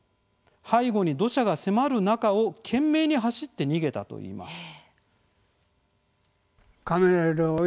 背後に土砂が迫る中を懸命に走って逃げたといいます。